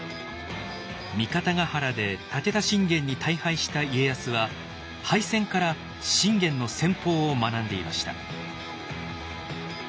三方ヶ原で武田信玄に大敗した家康は敗戦から信玄の戦法を学んでいました。